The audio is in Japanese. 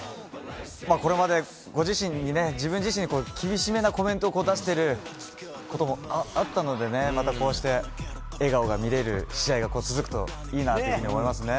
これまで自分自身に厳しめなコメントを出していることもあったのでまたこうして笑顔が見れる試合が続くといいなと思いますね。